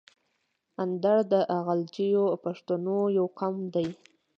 اندړ د غلجیو پښتنو یو قوم ده.